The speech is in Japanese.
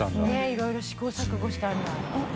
いろいろ試行錯誤したんだ五百城）